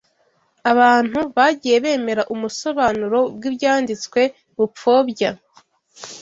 abantu bagiye bemera umusobanuro bw’Ibyanditswe bupfobya